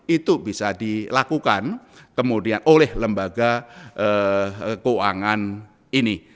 itu bisa dilakukan kemudian oleh lembaga keuangan ini